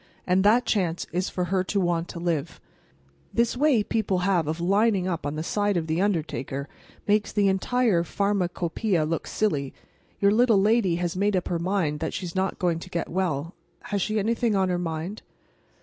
"And that chance is for her to want to live. This way people have of lining up on the side of the undertaker makes the entire pharmacopeia look silly. Your little lady has made up her mind that she's not going to get well. Has she anything on her mind?"